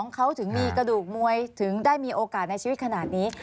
เขาถึงมีกระดูกมวยถึงได้มีโอกาสในชีวิตขนาดนี้